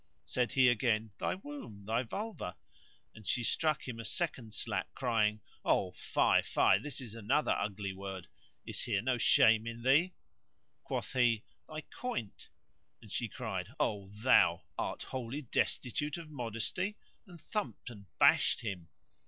Said he again, Thy womb, thy vulva;" and she struck him a second slap crying, "O fie, O fie, this is another ugly word; is there no shame in thee?" Quoth he, "Thy coynte;" and she cried, O thou! art wholly destitute of modesty?" and thumped him and bashed him.